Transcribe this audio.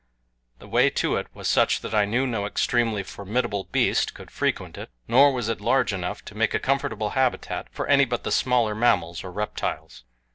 The way to it was such that I knew no extremely formidable beast could frequent it, nor was it large enough to make a comfortable habitat for any but the smaller mammals or reptiles.